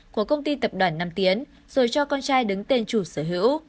của công ty tập đoàn nam tiến rồi cho con trai đứng tên chủ sở hữu